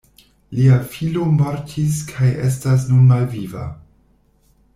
Lia filo mortis kaj estas nun malviva.